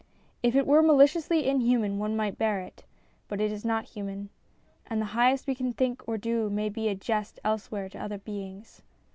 If it were maliciously inhuman one might bear it ; but it is not human. And the highest we can think or do may be a jest elsewhere to other beings.